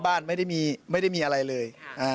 บ้านไม่ได้มีอะไรเลย